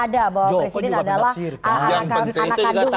gak ada bahwa presiden adalah anak kadu